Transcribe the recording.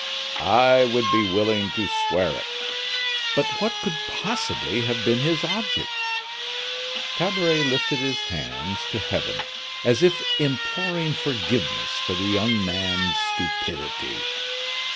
"I would be willing to swear it." "But what could possibly have been his object?" Tabaret lifted his hands to heaven, as if imploring forgiveness for the young man's stupidity.